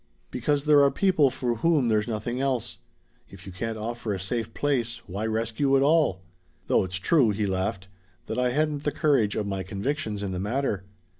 "Because there are people for whom there's nothing else. If you can't offer a safe place, why rescue at all? Though it's true," he laughed, "that I hadn't the courage of my convictions in the matter.